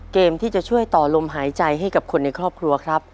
เกมที่จะช่วยต่อลมหายใจให้กับคนในครอบครัวครับ